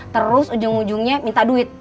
terus ujung ujungnya minta duit